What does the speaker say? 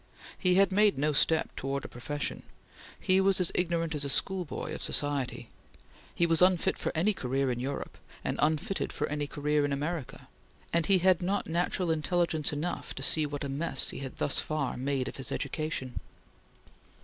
He had made no step towards a profession. He was as ignorant as a schoolboy of society. He was unfit for any career in Europe, and unfitted for any career in America, and he had not natural intelligence enough to see what a mess he had thus far made of his education.